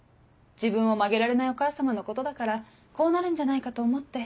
自分を曲げられないお母様のことだからこうなるんじゃないかと思って。